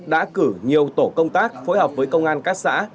đã cử nhiều tổ công tác phối hợp với công an các xã